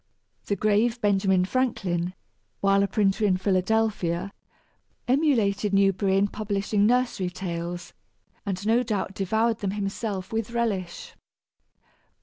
The grave Benjamin Franklin, while a printer in Philadelphia, emulated Newberry in publishing nursery tales, and no doubt devoured them himself with relish.